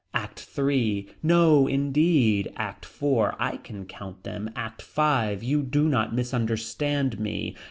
ACT III. No indeed. ACT IV. I can count them. ACT V. You do not misunderstand me.